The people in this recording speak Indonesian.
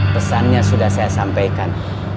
pesannya sudah saya sampaikan